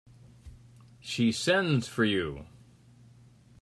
She sends for you.